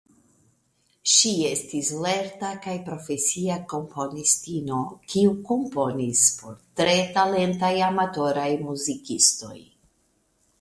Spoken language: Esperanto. Ŝi estis lerta kaj profesia komponistino kiu komponis por tre talentaj amatoraj muzikistoj.